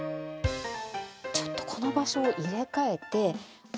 ちょっとこの場所を入れ替えて。